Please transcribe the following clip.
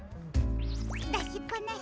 だしっぱなし？